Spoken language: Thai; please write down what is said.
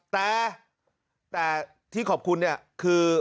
แต่ที่ขอบคุณเนี่ยคือ